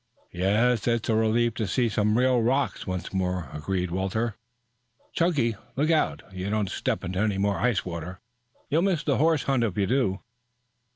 "Yes, it is a relief to see some real rocks once more," agreed Walter. "Chunky, look out that you don't step into any more ice water. You'll miss the horse hunt if you do."